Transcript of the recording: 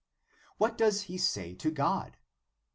What does he say to God?